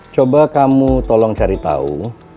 coba kamu tolong cari tahu